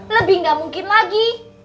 lebih gak mungkin lagi